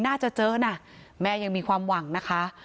น่าจะเจอนะแม่ยังมีความหวังนะคะ